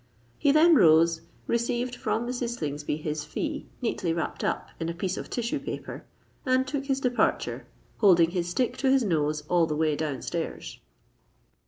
He then rose, received from Mrs. Slingsby his fee neatly wrapped up in a piece of tissue paper, and took his departure, holding his stick to his nose all the way down stairs.